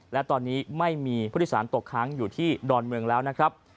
และตอนนี้ไม่มีผู้โดยสารตกค้างอยู่ที่ดอนเมืองแล้วนะครับ